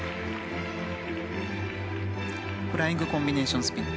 フライングコンビネーションスピン。